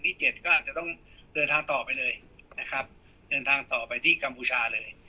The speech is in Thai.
เจ็ดก็อาจจะต้องเดินทางต่อไปเลยนะครับเดินทางต่อไปที่กัมพูชาเลย